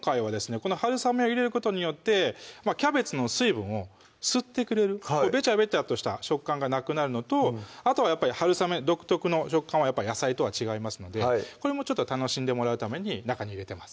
このはるさめを入れることによってキャベツの水分を吸ってくれるベチャベチャとした食感がなくなるのとあとははるさめ独特の食感はやっぱり野菜とは違いますのでこれもちょっと楽しんでもらうために中に入れてます